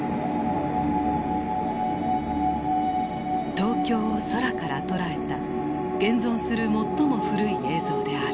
東京を空から捉えた現存する最も古い映像である。